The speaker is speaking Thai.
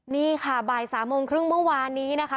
นี่ค่ะบ่าย๓โมงครึ่งเมื่อวานนี้นะคะ